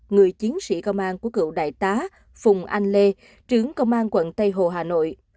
người chiến sĩ công an của cựu đại tá phùng anh lê trưởng công an quận tây hồ hà nội